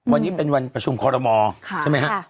วันนี้เป็นวันประชุมคอรมอใช่ไหมฮะ